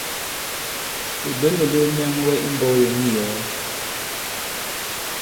Ɓè bwě mìlew myaŋwɛ i mbɔ̄k yěŋ i yòo?